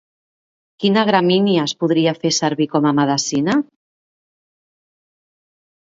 Quina gramínia es podria fer servir com a medicina?